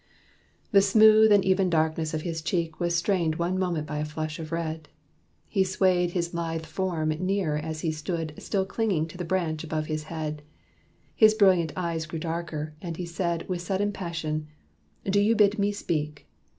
The smooth and even darkness of his cheek Was stained one moment by a flush of red. He swayed his lithe form nearer as he stood Still clinging to the branch above his head. His brilliant eyes grew darker; and he said, With sudden passion, "Do you bid me speak?